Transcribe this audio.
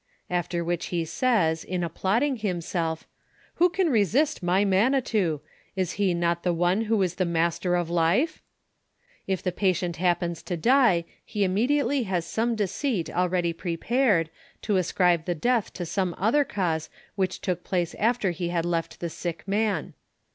After which he 8ay^ in applauding himself: 'Who can resist my manitou f Is he not the one who is the master of life I' If the patient happens to die, he immediately hns some deceit ready prepared, to ascribe the deatJi to ■ome other cause which took place after he had left the tick man.